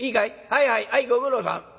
はいはいはいご苦労さん。